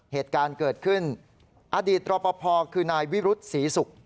เหตุการณ์เกิดขึ้นอดีตรอปภคือนายวิรุธศรีศุกร์